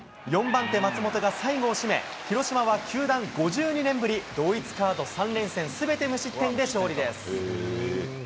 ４番手、松本が最後を締め、広島は球団５２年ぶり、同一カード３連戦すべて無失点で勝利です。